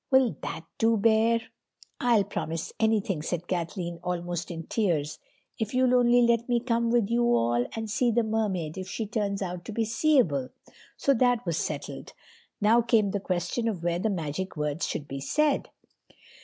Will that do, Bear?" "I'll promise anything," said Kathleen, almost in tears, "if you'll only let me come with you all and see the Mermaid if she turns out to be seeable." So that was settled. Now came the question of where the magic words should be said.